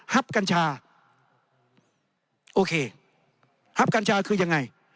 กัญชาโอเคฮับกัญชาคือยังไง